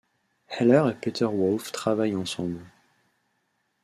Heller et Peter Wolf travaillent ensemble.